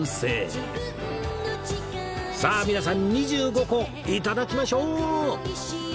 さあ皆さん２５個頂きましょう！